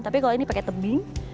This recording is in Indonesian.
tapi kalau ini pakai tebing